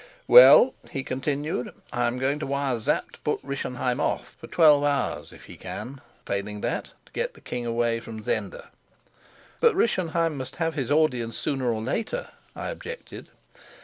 "Well," he continued, "I am going to wire to Sapt to put Rischenheim off for twelve hours if he can; failing that, to get the king away from Zenda." "But Rischenheim must have his audience sooner or later," I objected.